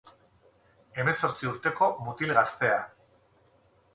Hemezortzi urteko mutil gaztea.